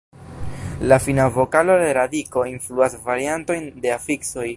La fina vokalo de radiko influas variantojn de afiksoj.